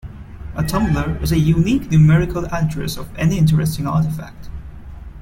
A tumbler is a unique numerical address of any interesting artifact.